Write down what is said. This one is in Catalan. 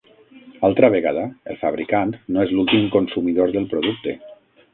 Altra vegada, el fabricant no és l'últim consumidor del producte.